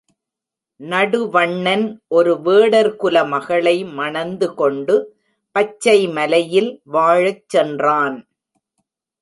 நடுவண்ணன் ஒரு வேடர்குல மகளை மணந்து கொண்டு பச்சை மலையில் வாழச் சென்றான்.